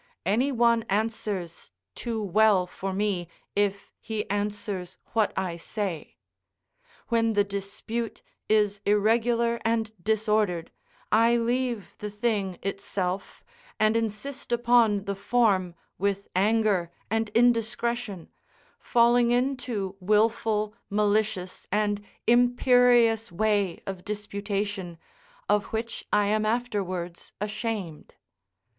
Any one answers too well for me, if he answers what I say: when the dispute is irregular and disordered, I leave the thing itself, and insist upon the form with anger and indiscretion; falling into wilful, malicious, and imperious way of disputation, of which I am afterwards ashamed.